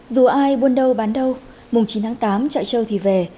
dù ai buôn đâu bán đâu mùng chín tháng tám chợ trâu thì về